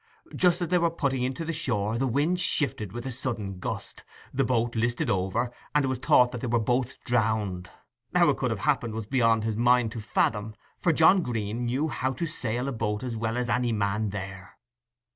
Just as they were putting in to the shore, the wind shifted with a sudden gust, the boat listed over, and it was thought they were both drowned. How it could have happened was beyond his mind to fathom, for John Green knew how to sail a boat as well as any man there.